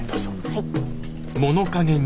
はい。